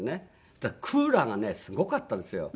そしたらクーラーがねすごかったんですよ。